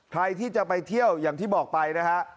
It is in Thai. ใครที่จะไปเที่ยวอย่างที่บอกไปนะฮะ